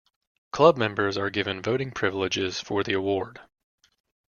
Club members are given voting privileges for the award.